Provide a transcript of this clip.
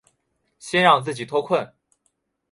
先让自己脱困